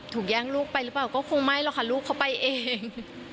แย่งลูกไปหรือเปล่าก็คงไม่หรอกค่ะลูกเขาไปเอง